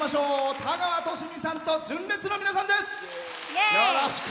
田川寿美さんと純烈の皆さんです。